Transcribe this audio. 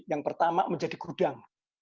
yang pertama menjadi gudang